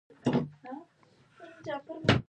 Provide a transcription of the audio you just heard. بوتل د اوبو د خرابېدو مخه نیسي.